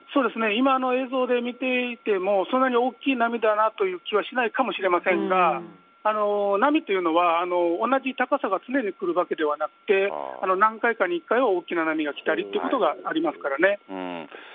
今の映像で見ていても、そんなに大きい波だなという気はしないかもしれませんが、波っていうのは、同じ高さが常に来るわけではなくて、何回かに１回は大きな波が来たりっていうことがありますからね。